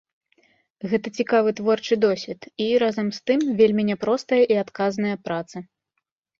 Гэта цікавы творчы досвед і, разам з тым, вельмі няпростая і адказная праца.